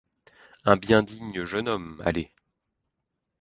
Un bien digne jeune homme, allez !